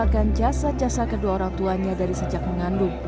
akan jasa jasa kedua orang tuanya dari sejak mengandung